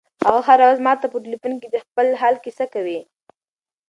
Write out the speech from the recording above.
هغه هره ورځ ماته په ټیلیفون کې د خپل حال کیسه کوي.